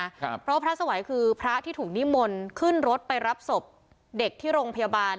ครับเพราะพระสวัยคือพระที่ถูกนิมนต์ขึ้นรถไปรับศพเด็กที่โรงพยาบาล